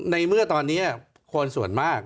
ในเมื่อตอนนี้คนส่วนมาก